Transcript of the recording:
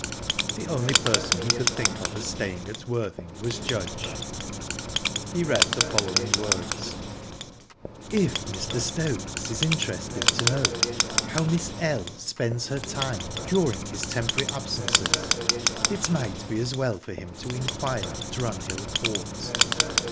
The only person he could think of as staying at Worthing was Judge. He read the following words: "If Mr. Stokes is interested to know how Miss L spends her time during his temporary absences, it might be as well for him to inquire at Runhill Court.